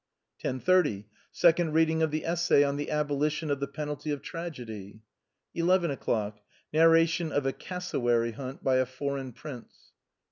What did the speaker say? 10.30. — Second reading of the essay on the " Abolition of the penalty of tragedy." 11. — Narration of a cassowary hunt by a foreign prince.